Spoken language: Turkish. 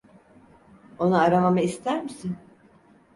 Onu aramamı ister misin?